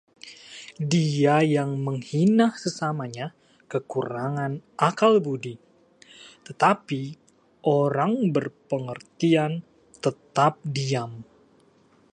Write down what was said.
Dia yang menghina sesamanya kekurangan akal budi, tetapi orang berpengertian tetap diam.